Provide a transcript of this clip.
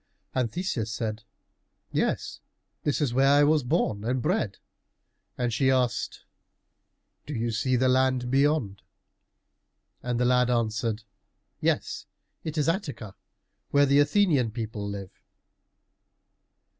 And Theseus said, "Yes, this is where I was born and bred." And she asked, "Do you see the land beyond?" And the lad answered, "Yes, that is Attica, where the Athenian people live!"